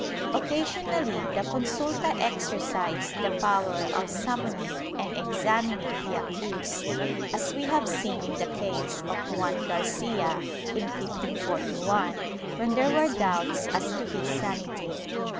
^ Occasionally the consulta exercised the power of summoning and examining the accused, as we have seen in the case of Juan Garcia, in 1541, when there were doubts as to his sanity.